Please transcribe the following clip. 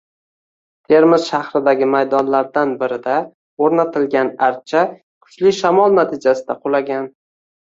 Termiz shahridagi maydonlardan birida oʻrnatilgan archa kuchli shamol natijasida qulagan.